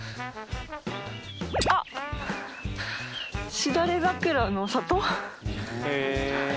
あっ「しだれ桜の里」。